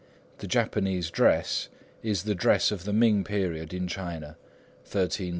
The Japanese dress is the dress of the Ming period in China, 1368 1644.